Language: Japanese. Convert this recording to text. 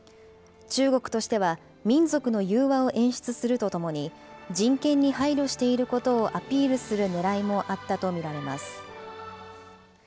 中国としては民族の融和を演出するとともに、人権に配慮していることをアピールするねらいもあったと見られます。